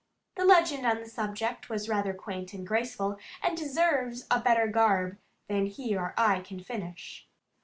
The legend on the subject was rather quaint and graceful, and deserves a better garb than he or I can furnish.